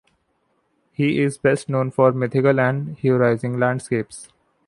He is best known for mythical and heroising landscapes.